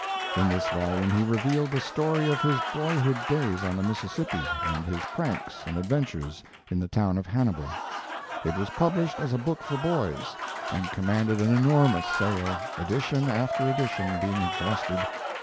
In this vol ume he revealed the story of his boyhood days on the Mississippi, and his pranks and adventures in the town of Hannibal. It was published as a book for boys, and His r Life~dnd Work. 125 commanded an enormous sale, edition alter edition being exhausted.